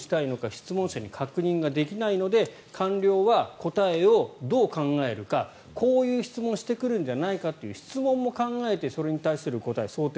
質問者に確認ができないので官僚は答えをどう考えるか、こういう質問をしてくるんじゃないかという質問も考えてそれに対する答え想定